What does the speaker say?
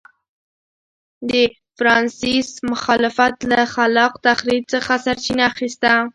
د فرانسیس مخالفت له خلاق تخریب څخه سرچینه اخیسته.